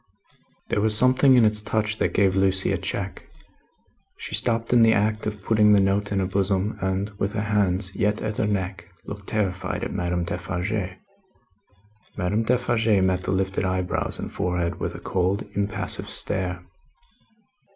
There was something in its touch that gave Lucie a check. She stopped in the act of putting the note in her bosom, and, with her hands yet at her neck, looked terrified at Madame Defarge. Madame Defarge met the lifted eyebrows and forehead with a cold, impassive stare.